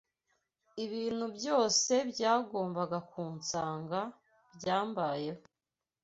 Ibintu byose byagombaga kunsanga byambayeho